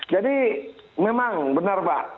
jadi memang benar pak